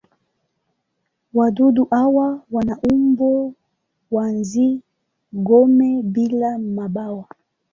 Wadudu hawa wana umbo wa nzi-gome bila mabawa.